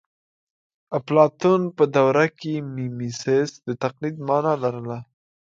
اپلاتون په دوره کې میمیسیس د تقلید مانا لرله